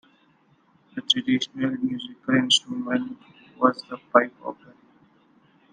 A traditional musical instrument was the pipe organ.